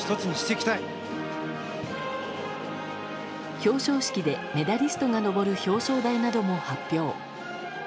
表彰式でメダリストなどが上る表彰台も発表。